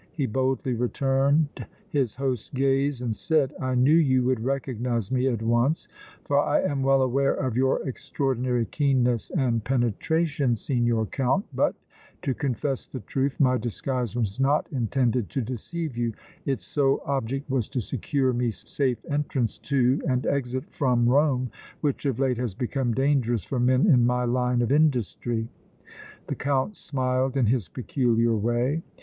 He boldly returned his host's gaze and said: "I knew you would recognize me at once, for I am well aware of your extraordinary keenness and penetration, Signor Count, but, to confess the truth, my disguise was not intended to deceive you; its sole object was to secure me safe entrance to and exit from Rome which of late has become dangerous for men in my line of industry!" The Count smiled in his peculiar way.